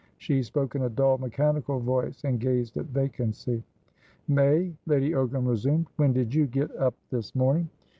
She spoke in a dull, mechanical voice, and gazed at vacancy. "May," Lady Ogram resumed, "when did you get up this morning?